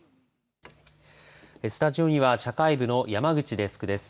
スタジオには社会部の山口デスクです。